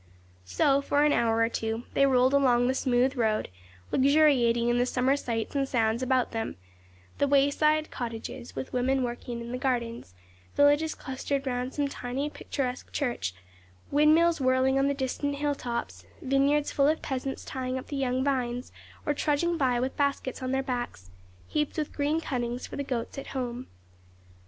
So, for an hour or two, they rolled along the smooth road, luxuriating in the summer sights and sounds about them; the wayside cottages, with women working in the gardens; villages clustered round some tiny, picturesque church; windmills whirling on the distant hill tops; vineyards full of peasants tying up the young vines, or trudging by with baskets on their backs, heaped with green cuttings for the goats at home.